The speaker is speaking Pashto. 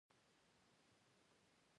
ورور ته د خوشحالۍ پیغامونه ورکوې.